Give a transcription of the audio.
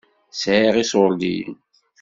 Sɛiɣ iṣuṛdiyen.